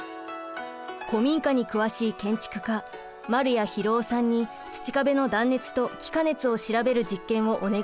古民家に詳しい建築家丸谷博男さんに土壁の断熱と気化熱を調べる実験をお願いしました。